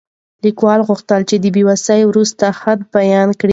لیکوال غوښتل چې د بې وسۍ وروستی حد بیان کړي.